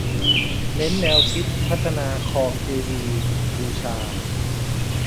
เน้นแนวคิดพัฒนาคลองเจดีย์บูชา